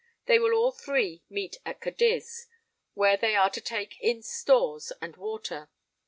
They will all three meet at Cadiz, where they are to take in stores and water.